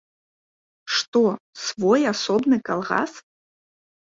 Што, свой асобны калгас?